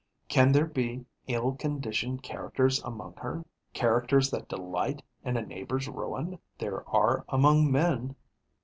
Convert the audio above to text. Can there be ill conditioned characters among her, characters that delight in a neighbour's ruin? There are among men.